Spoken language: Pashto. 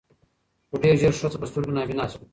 خو ډېر ژر ښځه په سترګو نابینا سوه